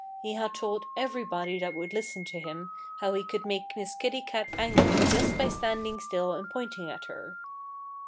He had told everybody that would listen to him how he could make Miss Kitty Cat angry just by standing still and pointing at her.